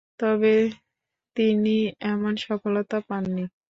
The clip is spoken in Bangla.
তবে তিনি তেমন সফলতা পাননি।